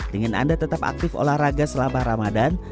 dengan anda tetap aktif olahraga selama ramadan